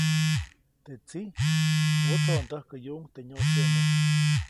Te tsiʼ wotsodondäjkäyuʼuŋ teʼ nyoʼseʼomo.